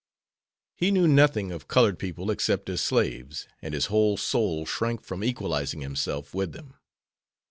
He knew nothing of colored people except as slaves, and his whole soul shrank from equalizing himself with them.